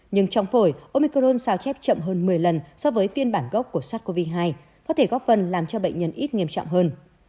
nhưng trong phổi omicron sao chép chậm hơn một mươi lần so với phiên bản gốc của sars cov hai có thể góp phần làm cho bệnh nhân ít nghiêm trọng hơn